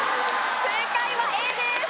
正解はＡです